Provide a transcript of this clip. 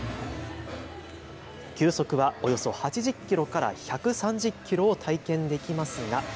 球速はおよそ８０キロから１３０キロを体験できますが。